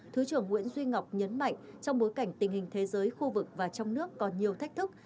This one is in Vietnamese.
thứ trưởng nguyễn duy ngọc nhấn mạnh trong bối cảnh tình hình thế giới khu vực và trong nước còn nhiều thách thức